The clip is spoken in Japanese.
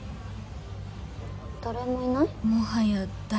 誰もいない？